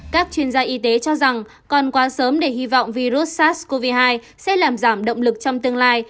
các chuyên gia y tế cho rằng còn quá sớm để hy vọng virus sars cov hai sẽ làm giảm động lực trong tương lai